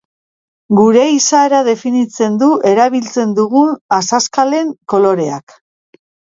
Gure izaera definitzen du erabiltzen dugun azazkalen koloreak.